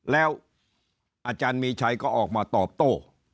แล้วอาจารย์มีชัยก็ออกมาตอบโต้